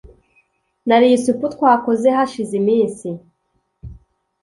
Nariye isupu twakoze hashize iminsi